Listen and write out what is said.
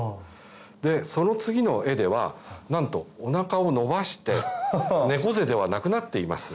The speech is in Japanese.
でその次の画ではなんとお腹を伸ばして猫背ではなくなっています。